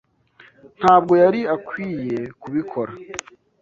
Ntabwo yari akwiye kubikora.